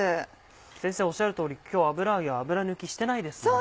先生おっしゃる通り今日油揚げは油抜きしてないですもんね。